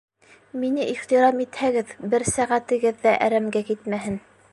Мине ихтирам итһәгеҙ, бер сәғәтегеҙ ҙә әрәмгә китмәһен.